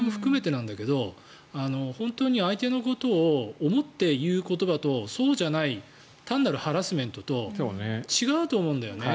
なんだけど本当に相手のことを思って言う言葉とそうじゃない単なるハラスメントと違うと思うんだよね。